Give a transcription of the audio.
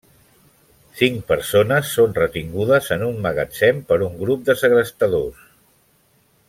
Cinc persones són retingudes en un magatzem per un grup de segrestadors.